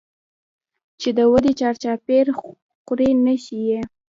چې د دوى چار چاپېر خورې نښي ئې